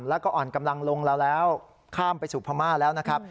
แล้วก็อ่อนกำลังลงแล้วแล้วข้ามไปสู่พม่าแล้วนะครับ